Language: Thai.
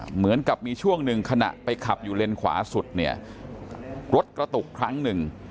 เหมือนกับมีช่วงหนึ่งขณะไปขับอยู่เลนขวาสุดเนี่ยรถกระตุกครั้งหนึ่ง